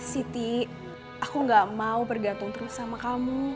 siti aku gak mau bergantung terus sama kamu